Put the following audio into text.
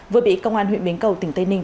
vừa bị công an huyện bến cầu tỉnh tây ninh